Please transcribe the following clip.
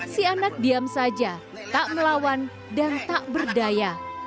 si anak diam saja tak melawan dan tak berdaya